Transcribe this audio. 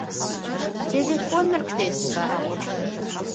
Телефоныр къетба!